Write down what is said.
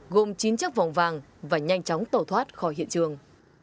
gồm chín chất vòng vàng và nhanh chóng tẩu thoát khỏi hiện trường